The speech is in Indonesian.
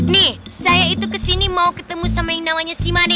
nih saya itu kesini mau ketemu sama yang namanya simani